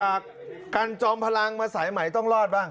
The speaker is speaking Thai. อ่าการจอมพลังมาสายไหมต้องรอดบ้าง